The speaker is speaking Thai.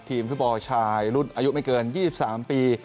ทีมธุบอลชายอายุไม่เกิน๒๓ปี